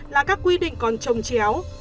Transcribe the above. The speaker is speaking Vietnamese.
là các quy định còn trồng chéo